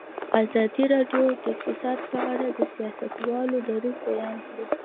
ازادي راډیو د اقتصاد په اړه د سیاستوالو دریځ بیان کړی.